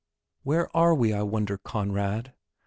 "Where are we, I wonder, Conrad?"